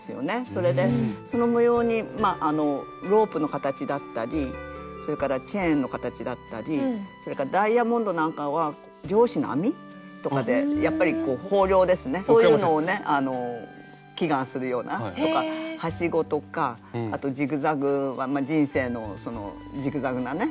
それでその模様にロープの形だったりそれからチェーンの形だったりそれからダイヤモンドなんかは漁師の網とかでやっぱり豊漁ですねそういうのをね祈願するようなとかはしごとかあとジグザグは人生のそのジグザグなね